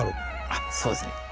あそうですね。